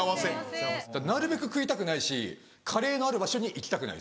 なるべく食いたくないしカレーのある場所に行きたくない。